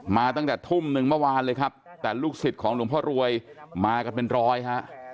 ตั้งแต่ทุ่มหนึ่งเมื่อวานเลยครับแต่ลูกศิษย์ของหลวงพ่อรวยมากันเป็นร้อยฮะ